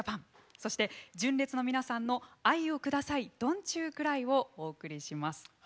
そして純烈の皆さんの「愛をくださいＤｏｎ’ｔｙｏｕｃｒｙ」をお送りします。